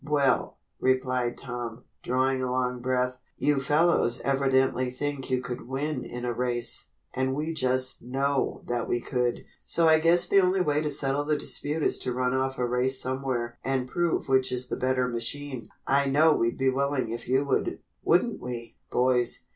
"Well," replied Tom, drawing a long breath, "you fellows evidently think you could win in a race and we just know that we could, so I guess the only way to settle the dispute is to run off a race somewhere and prove which is the better machine. I know we'd be willing if you would, wouldn't we, boys?"